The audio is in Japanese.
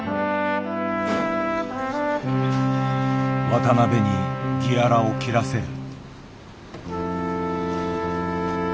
渡辺にギアラを切らせる。